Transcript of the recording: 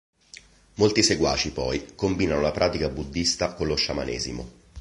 Molti seguaci poi combinano la pratica buddhista con lo sciamanesimo.